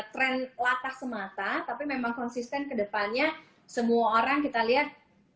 tren latah semata tapi memang konsisten kedepannya semua orang kita lihat